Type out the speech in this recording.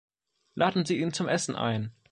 Laden Sie ihn zum Essen ein.